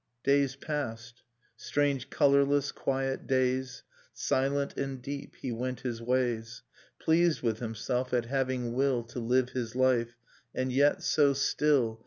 Days pased: strange colorless quiet days, Silent and deep. He went his ways, Pleased with himself at having will To live his life. And yet, so still.